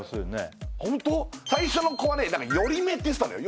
最初の子はねヨリメって言ってたのよ